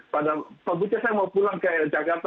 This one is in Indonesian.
pak buce saya mau pulang ke jakarta